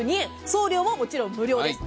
送料ももちろん無料です。